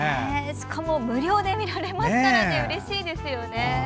しかも無料で見られるのはうれしいですよね。